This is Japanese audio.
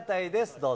どうぞ。